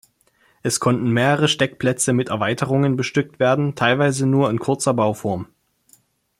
Es konnten mehrere Steckplätze mit Erweiterungen bestückt werden, teilweise nur in kurzer Bauform.